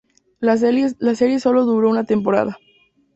La serie solo duró una temporada.